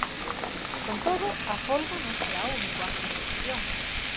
Con todo, a folga non será o único acto de presión.